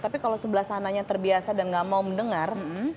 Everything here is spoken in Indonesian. tapi kalau sebelah sananya terbiasa dan nggak mau mendengar